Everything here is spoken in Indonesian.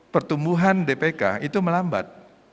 pertumbuhan dpk itu melambat